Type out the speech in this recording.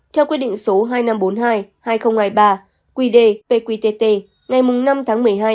theo quyết định số hai nghìn năm trăm bốn mươi hai hai nghìn hai mươi ba qd pqtt ngày năm một mươi hai hai nghìn hai mươi ba